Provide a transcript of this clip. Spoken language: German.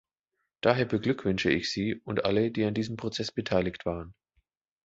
Daher beglückwünsche ich Sie und alle, die an diesem Prozess beteiligt waren.